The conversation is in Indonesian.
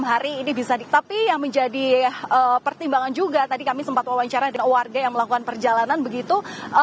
hari ini bisa tapi yang menjadi pertimbangan juga tadi kami sempat wawancara dengan warga yang melakukan perjalanan begitu